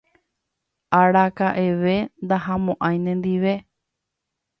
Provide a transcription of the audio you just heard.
araka'eve ndahamo'ãi nendive